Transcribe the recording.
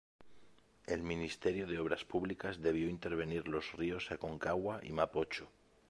El Ministerio de Obras Públicas debió intervenir los ríos Aconcagua y Mapocho.